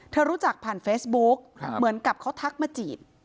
รู้จักผ่านเฟซบุ๊กเหมือนกับเขาทักมาจีบ